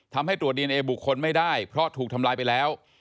ทำให้ตรวจดีเอนเอบุคคลไม่ได้เพราะถูกทำลายไปแล้ว